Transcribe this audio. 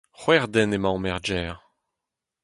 C'hwec'h den emaomp er gêr.